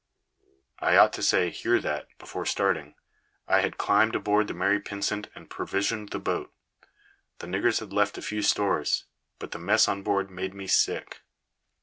I ought to say here that, before starting, I had climbed aboard the Mary Pynsent and provisioned the boat. The niggers had left a few stores, but the mess on board made me sick.